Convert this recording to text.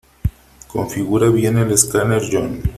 Configurar bien el escáner, John.